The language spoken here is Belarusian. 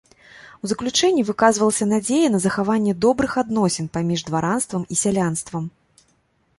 У заключэнне выказвалася надзея на захаванне добрых адносін паміж дваранствам і сялянствам.